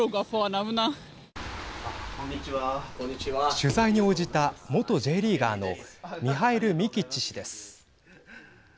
取材に応じた元Ｊリーガーのミハエル・ミキッチ氏です。